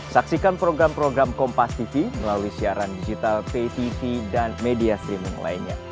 saksikan program program kompastv melalui siaran digital ptv dan media streaming lainnya